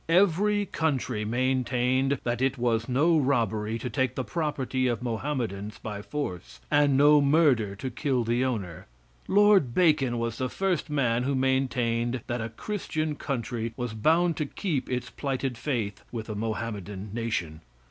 Every country maintained that it was no robbery to take the property of Mohammedans by force, and no murder to kill the owner. Lord Bacon was the first man who maintained that a Christian country was bound to keep its plighted faith with a Mohammedan nation.